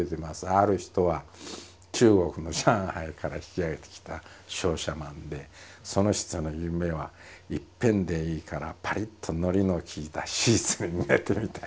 ある人は中国の上海から引き揚げてきた商社マンでその人の夢はいっぺんでいいからパリッとのりのきいたシーツに寝てみたいと。